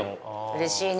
うれしいね。